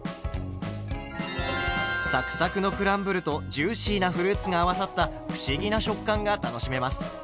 サクサクのクランブルとジューシーなフルーツが合わさった不思議な食感が楽しめます。